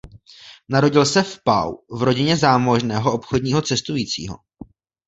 Narodil se v Pau v rodině zámožného obchodního cestujícího.